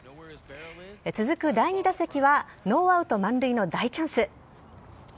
続く第２打席は、ノーアウト満塁の大チャンス。